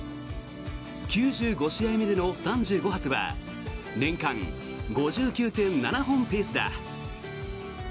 ９５試合目での３５発は年間５９．７本ペースだ。